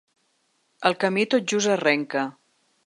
El camí tot just arrenca.